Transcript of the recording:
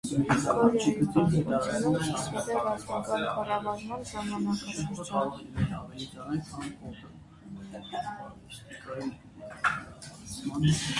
Գորյոյի պատմությունում սկսվել է ռազմական կառավարման ժամանակաշրջան։